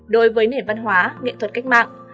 đối với nền văn hóa nghệ thuật cách mạng